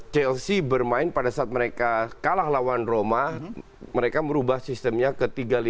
chelsea bermain pada saat mereka kalah lawan roma mereka merubah sistemnya ke tiga lima